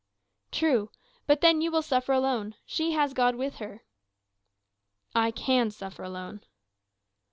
"True. But then you will suffer alone. She has God with her." "I can suffer alone."